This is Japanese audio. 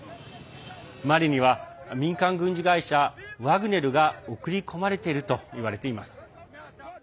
マリには民間軍事会社ワグネルが送り込まれているといわれています。